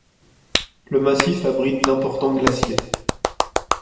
Le massif abrite d'importants glaciers.